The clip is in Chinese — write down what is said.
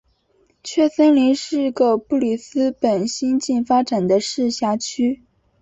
蕨森林是个布里斯本新近发展的市辖区。